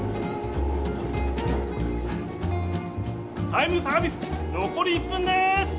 タイムサービス残り１分です！